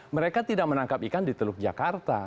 mereka tidak menangkap ikan di teluk jakarta